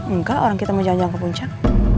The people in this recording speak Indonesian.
enggak orang kita mau janjian ke puncak